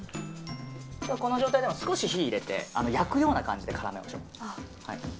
この状態で少し火を入れて焼くような感じで絡めましょう。